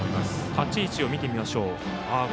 立ち位置を見てみましょう。